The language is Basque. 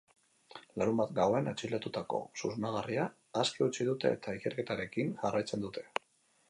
Larunbat gauean atxilotutako susmagarria aske utzi dute eta ikerketarekin jarraitzen dute.